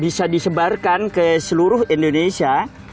bisa disebarkan ke seluruh indonesia